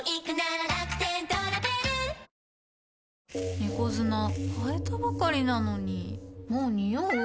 猫砂替えたばかりなのにもうニオう？